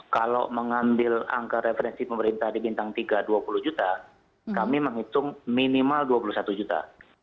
kalau mengambil angka referensi pemerintah di bintang tiga dua puluh juta kami menghitung minimal dua puluh satu juta